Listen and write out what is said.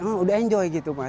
oh udah enjoy gitu pak